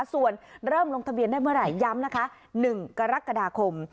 ส่วนเริ่มลงทะเบียนได้เมื่อไหร่ย้ำนะคะ๑กรกฎาคม